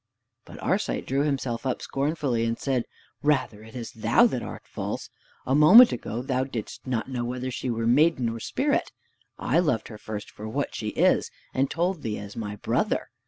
But Arcite drew himself up scornfully and said, "Rather it is thou that art false! A moment ago thou didst not know whether she were maiden or Spirit! I loved her first for what she is, and told thee as my brother!